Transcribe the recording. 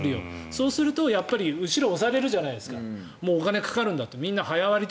そうすると後ろを押されるじゃないですかお金がかかるんだと。